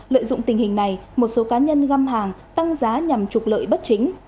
lợi dụng tình hình này một số cá nhân găm hàng tăng giá nhằm trục lợi bất chính